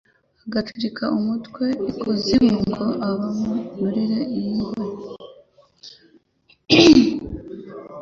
agacurika umutwe i kuzimu ngo bamugirire impuhwe